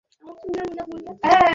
সে চমকে দাঁড়ালো।